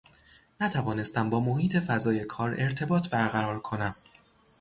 نتوانستم با محیط فضای کار ارتباط برقرار کنم